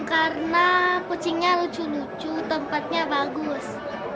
karena kucingnya lucu lucu tempatnya bagus